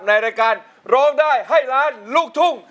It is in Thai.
ในรายการร้องได้ให้ล้านลูกทุ่ง